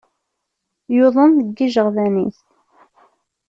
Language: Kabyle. Yuḍen deg yijeɣdan-is.